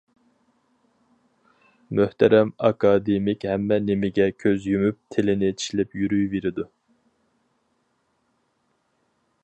مۆھتەرەم ئاكادېمىك ھەممە نېمىگە كۆز يۇمۇپ تىلىنى چىشلەپ يۈرۈۋېرىدۇ.